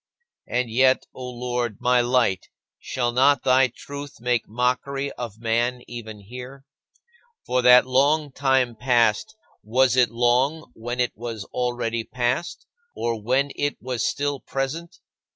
And yet, O Lord, my Light, shall not thy truth make mockery of man even here? For that long time past: was it long when it was already past, or when it was still present?